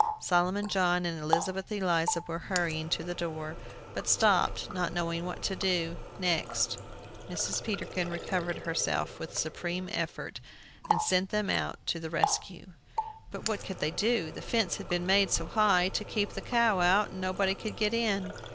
Solomon John and Elizabeth Eliza were hurrying to the door, but stopped, not knowing what to do next. Mrs. Peterkin recovered herself with a supreme effort, and sent them out to the rescue. But what could they do? The fence had been made so high, to keep the cow out, that nobody could get in.